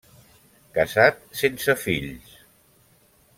Casat sense fills.